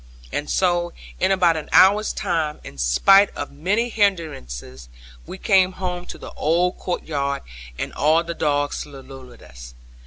And so in about an hour's time, in spite of many hindrances, we came home to the old courtyard, and all the dogs saluted us.